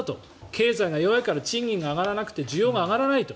経済が弱いから賃金が上がらなくて需要が上がらないと。